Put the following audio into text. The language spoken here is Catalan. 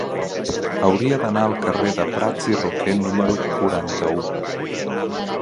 Hauria d'anar al carrer de Prats i Roquer número quaranta-u.